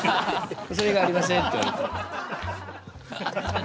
それ以外ありません」って言われて。